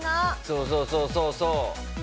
そうそうそうそうそう！